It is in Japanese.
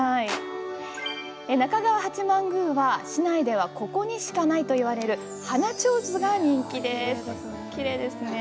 中川八幡宮は、市内ではここにしかないといわれる花ちょうずが人気です。